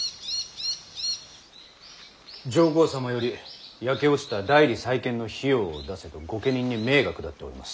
上皇様より焼け落ちた内裏再建の費用を出せと御家人に命が下っております。